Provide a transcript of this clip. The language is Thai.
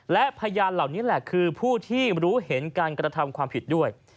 และพยานเหล่านี้แหละคือผู้ที่รู้เห็นการกระทำความผิดด้วย